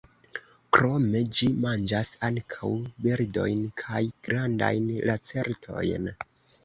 Krome ĝi manĝas ankaŭ birdojn kaj grandajn lacertojn.